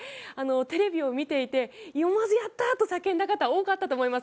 テレビを見ていてよし、やったーと叫んだ方は多かったと思います。